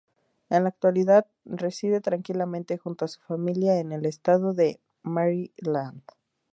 En la actualidad reside tranquilamente junto a su familia en el estado de Maryland.